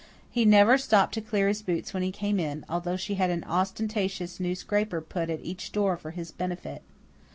He never stopped to clear his boots when he came in, although she had an ostentatiously new scraper put at each door for his benefit.